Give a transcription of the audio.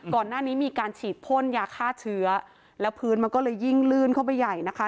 ก่อนหน้านี้มีการฉีดพ่นยาฆ่าเชื้อแล้วพื้นมันก็เลยยิ่งลื่นเข้าไปใหญ่นะคะ